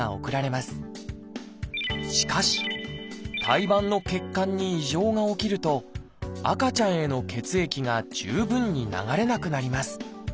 しかし胎盤の血管に異常が起きると赤ちゃんへの血液が十分に流れなくなります。